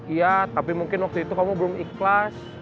iya tapi mungkin waktu itu kamu belum ikhlas